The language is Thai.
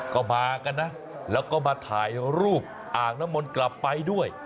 ก็มากันนะแล้วก็มาถ่ายรูปอ่างน้ำมนต์กลับไปด้วย